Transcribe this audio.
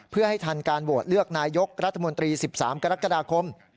เพื่อให้ทันการโหวตเลือกนายกรัฐมนตรี๑๓กรกฎาคม